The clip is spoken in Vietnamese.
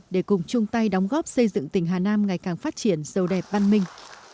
để cùng chung tay đóng góp xây dựng tỉnh hà nam ngày càng phát triển sâu đẹp văn minh